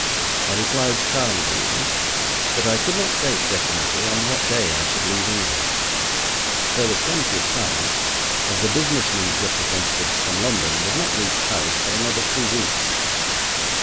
I replied calmly enough that I could not state definitely on what day I should leave England. There was plenty of time, as the business men's representatives from London would not reach Paris for another two weeks.